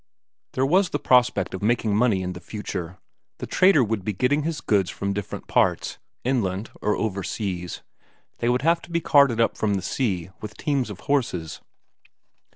There was the prospect of making money in the future; the trader would be getting his goods from different parts; inland or overseas, they would have to be carted up from the sea with teams of horses.